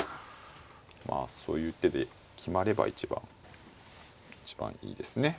まあそういう手で決まれば一番いいですね。